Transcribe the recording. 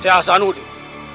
saya nurjati saya hasanuddin